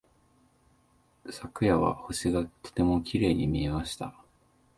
昨夜は星がとてもきれいに見えました。